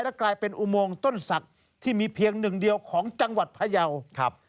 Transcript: และกลายเป็นอุโมงต้นศักดิ์ที่มีเพียงหนึ่งเดียวของจังหวัดพยาวครับ